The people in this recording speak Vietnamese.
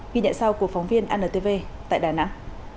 ghi nhận sau của phóng viên antv tại đà nẵng